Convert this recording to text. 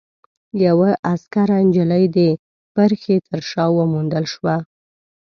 يوه عسکره نجلۍ د پرښې تر شا وموندل شوه.